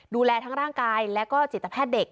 ดูแลทั้งร่างกายและก็จิตแพทย์เด็ก